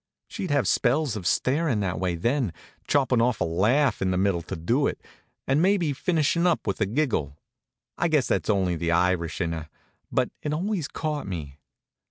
She'd have spells of starin' that way then, 'choppin' off a laugh in the middle to do it, and maybe finishin' up with a giggle. I guess that's only the Irish in her, but it always caught me.